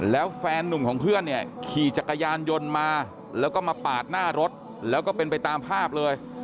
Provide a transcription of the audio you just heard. แล้วแฟนนุ่มของเพื่อนเนี่ยขี่จักรยานยนต์มาแล้วก็มาปาดหน้ารถแล้วก็เป็นไปตามภาพเลย